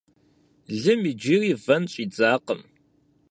Лым иджыри вэн щӀидзакъым.